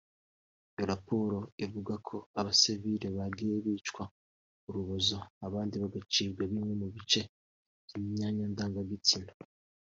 Iyo raporo ivuga ko abasivili bagiye bicwa urubozo abandi bagacibwa bimwe mu bice by’imyanya ndangagitsina